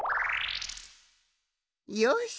よし！